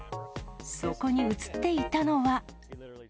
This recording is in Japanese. そこに写っていたのは。